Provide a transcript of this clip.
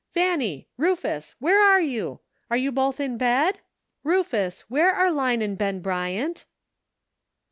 "Fanny, Rufus! where are you ? Are you both in bed ? Rufus, where are Line and Ben Bryant